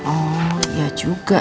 oh ya juga sih